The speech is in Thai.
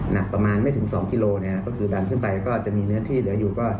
หนักประมาณไม่ถึง๒กิโลกรัมดันขึ้นไปก็จะมีเนื้อที่เหลืออยู่